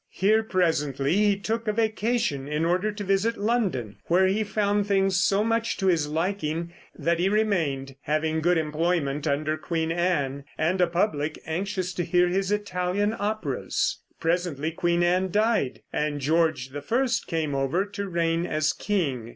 Here, presently, he took a vacation in order to visit London, where he found things so much to his liking that he remained, having good employment under Queen Anne, and a public anxious to hear his Italian operas. Presently Queen Anne died and George the First came over to reign as king.